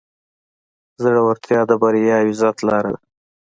زړورتیا د بریا او عزت لاره ده.